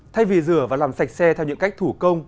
thay vì rửa và làm sạch xe theo những cách thủ công